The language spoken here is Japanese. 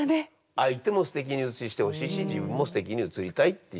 相手もすてきに写してほしいし自分もすてきに写りたいっていう。